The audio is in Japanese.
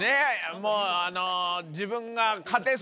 もうあの。